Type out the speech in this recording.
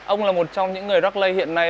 ông là một trong những người rắc lây hiện nay